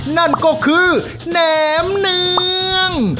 นั่นก็คือแหนมเนือง